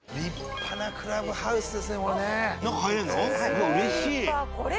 うわっうれしい。